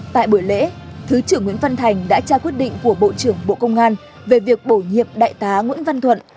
tại buổi lễ thứ trưởng nguyễn văn thành đã trao quyết định của bộ trưởng bộ công an về việc bổ nhiệm đại tá nguyễn văn thuận